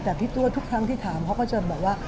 แต่พี่ตัวทุกครั้งที่ถามเขาก็จะบอกว่า